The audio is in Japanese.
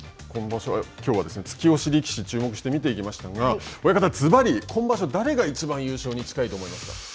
きょうは突き押し力士に注目して見ていきましたが、親方、ずばり、今場所、誰がいちばん優勝に近いと思いますか。